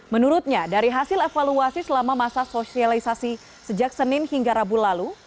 menurutnya dari hasil evaluasi selama masa sosialisasi sejak senin hingga rabu lalu